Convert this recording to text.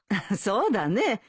そうだね。